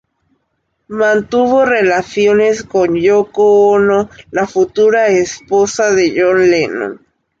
Mantuvo relaciones con Yōko Ono, la futura esposa de John Lennon.